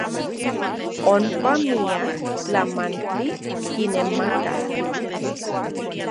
Onpa miak tlamantli kinemakaj.